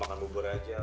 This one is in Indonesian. makan bubur aja lah